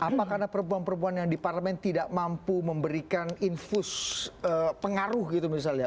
apa karena perempuan perempuan yang di parlemen tidak mampu memberikan infus pengaruh gitu misalnya